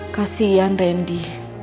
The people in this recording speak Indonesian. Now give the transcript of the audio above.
kasian ren di